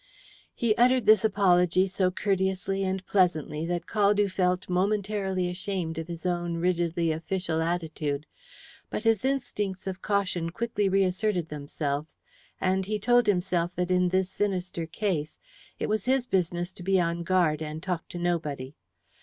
He uttered this apology so courteously and pleasantly that Caldew felt momentarily ashamed of his own rigidly official attitude. But his instincts of caution quickly reasserted themselves, and he told himself that in this sinister case it was his business to be on his guard and talk to nobody.